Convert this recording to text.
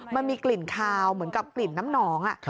มันมีกลิ่นคาวเหมือนกับกลิ่นน้ำหนอง